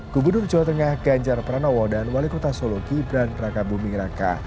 gubernur jawa tengah ganjar pranowo dan wali kota solo gibran raka buming raka